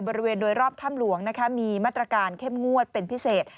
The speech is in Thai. บริเวณโดยรอบถ้ำหลวงมีมาตรการเข้มงวดเป็นพิเศษ